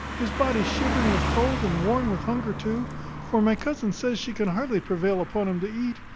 His body shivering with cold, and worn with hunger too; for my cousin says she can hardly prevail upon him to eat.